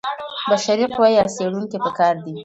بشري قوه یا څېړونکي په کار دي.